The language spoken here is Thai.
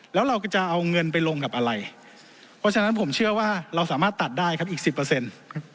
แล้วเราก็จะเอาเงินไปลงกับอะไรเพราะฉะนั้นผมเชื่อว่าเราสามารถตัดได้ครับอีกสิบเปอร์เซ็นต์